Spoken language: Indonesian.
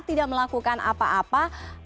tidak melakukan apa apa